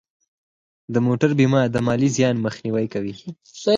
د موټر بیمه د مالي زیان مخنیوی کوي.